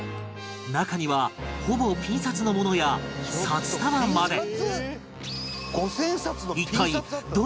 中にはほぼピン札のものや札束まで